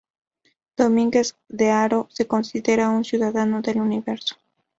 Domínguez de Haro se considera un ciudadano del Universo.